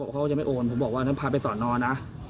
ก็ไม่โอนบอกว่าน้ำพายไปสอนนอนนะ